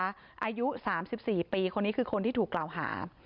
อายุ๓๔ปีคนนี้คือคนที่ถูกกล่าวหา